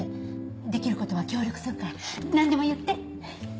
できることは協力するから何でも言って。